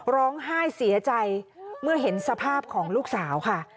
ร้องไห้เสียใจเมื่อเห็นสภาพของลูกสาวค่ะ